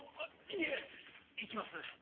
いえ行きます！